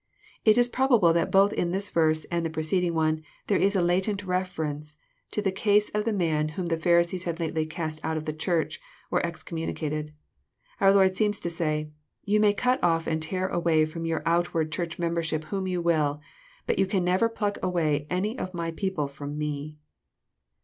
It is probable that both in this verse and the preceding one, there is a latent reference to the case of the man whom the Pharisees had lately *<cast out "of the Church, or excommuni cated. Our Lord seems to say, '^Yon may cut off and tear away from your outward church membership whom you will: but yon can never pluck away any of my people from Me."